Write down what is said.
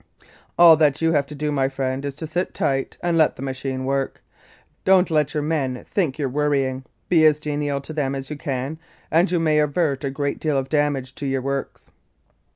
"All that you have to do, my friend, is to sit tight and let the machine work. Don't let your men think you're worrying be as genial to them as you can, and you may avert a great deal of damage to your works."